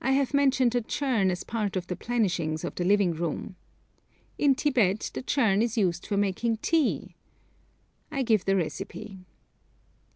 I have mentioned a churn as part of the 'plenishings' of the living room. In Tibet the churn is used for making tea! I give the recipe.